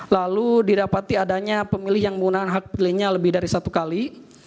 lalu didapati adanya pemilih yang menggunakan hak pilihnya lebih dari satu kali